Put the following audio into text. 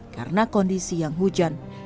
karena kondisi yang hujan